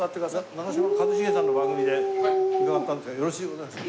長嶋一茂さんの番組で伺ったんですがよろしゅうございますか？